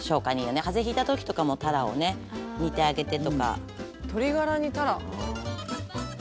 風邪ひいた時とかもタラを煮てあげてとか。